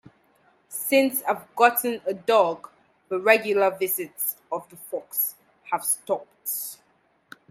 Since I've gotten a dog, the regular visits of the fox have stopped.